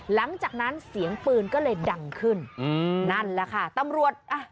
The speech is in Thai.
หลังจากนั้นเสียงปืนก็เลยดังขึ้นอืมนั่นแหละค่ะตำรวจอ่ะ